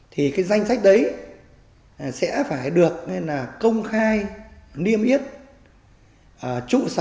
thì cái danh sách đấy sẽ phải được công khai niêm yết trụ sở